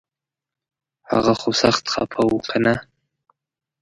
هغه خو سخت خفه و کنه